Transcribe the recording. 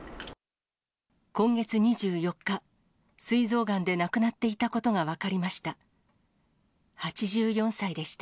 今月２４日、すい臓がんで亡くなっていたことが分かりました。